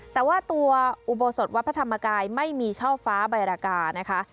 แต่ว่าตัวอุโบสถวัดพระธรรมกายไม่มีช่อฟ้าใบรากานะคะ